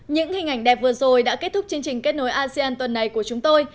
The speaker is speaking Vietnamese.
những hình ảnh đẹp vừa rồi đã kết thúc chương trình kết nối asean tuần này của chúng tôi